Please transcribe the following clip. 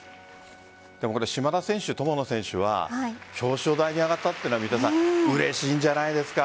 島田選手、友野選手は表彰台に上がったというのはうれしいんじゃないでしょうか。